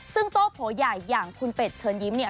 ซึ่งโต้โผใหญ่อย่างคุณเป็ดเชิญยิ้มเนี่ย